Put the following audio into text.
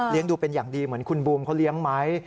ดูเป็นอย่างดีเหมือนคุณบูมเขาเลี้ยงไหม